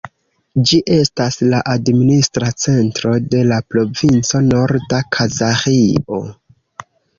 Ĝi estas la administra centro de la provinco Norda Kazaĥio.